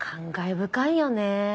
深いよね。